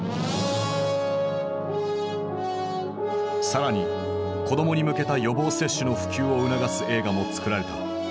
更に子供に向けた予防接種の普及を促す映画も作られた。